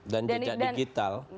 dan tidak digital